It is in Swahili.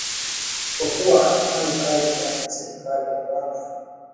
Kwa kuwa anafanya kazi ndani ya serikali ya Rwanda